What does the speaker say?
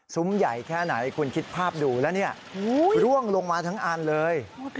ใหญ่แค่ไหนคุณคิดภาพดูแล้วเนี่ยร่วงลงมาทั้งอันเลย